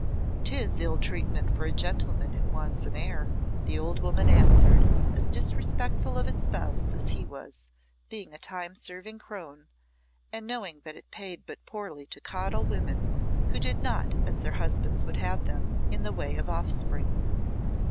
"'Tis ill treatment for a gentleman who wants an heir," the old woman answered, as disrespectful of his spouse as he was, being a time serving crone, and knowing that it paid but poorly to coddle women who did not as their husbands would have them in the way of offspring.